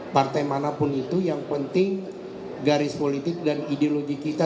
partai manapun itu yang penting garis politik dan ideologi kita